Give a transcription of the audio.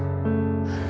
terima kasih mak